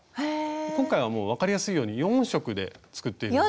今回はもう分かりやすいように４色で作っていくんで。